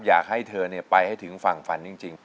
อยากให้เธอไปให้ถึงฝั่งฝันจริง